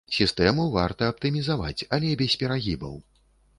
Сістэму варта аптымізаваць, але без перагібаў.